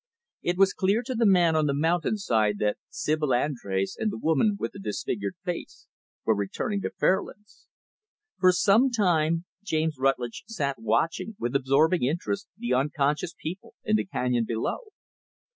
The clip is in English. It was clear to the man on the mountainside, that Sibyl Andrés and the woman with the disfigured face were returning to Fairlands. For some time, James Rutlidge sat watching, with absorbing interest, the unconscious people in the canyon below.